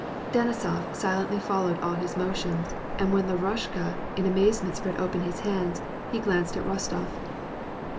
Deuisof silently followed all his motions and when lavrushka in amazement spread opeu his hands, he glanced at Rostof.